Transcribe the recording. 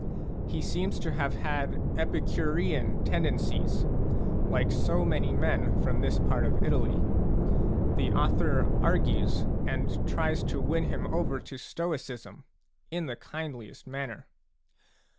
He seems to have had Epicurean tendencies, like so many men from this part of Italy ; the author argues and tries to win him over to Stoicism, in the kindliest manner.